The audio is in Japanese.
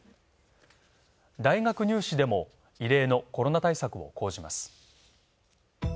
大学入試でも異例のコロナ対策を講じます。